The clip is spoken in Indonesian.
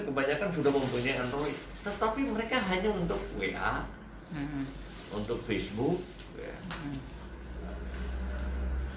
kebanyakan sudah mempunyai android tetapi mereka hanya untuk wa untuk facebook